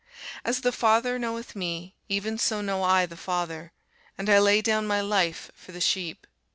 As the Father knoweth me, even so know I the Father: and I lay down my life for the sheep.